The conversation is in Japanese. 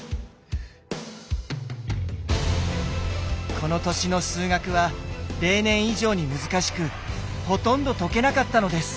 この年の数学は例年以上に難しくほとんど解けなかったのです。